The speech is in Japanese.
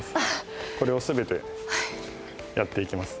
これをすべてやっていきます。